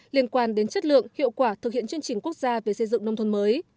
liên quan đến chất lượng hiệu quả thực hiện chương trình quốc gia về xây dựng nông thôn mới